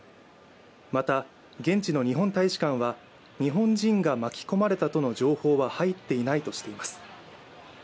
また、現地の日本大使館は日本人が巻き込まれたとの情報は入っていないとしています。